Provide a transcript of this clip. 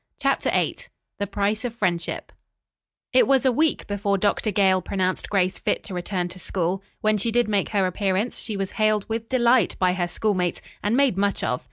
CHAPTER VIII THE PRICE OF FRIENDSHIP It was a week before Dr. Gale pronounced Grace fit to return to school. When she did make her appearance, she was hailed with delight by her schoolmates and made much of.